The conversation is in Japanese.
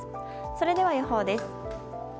それでは予報です。